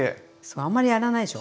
あんまりやらないでしょ？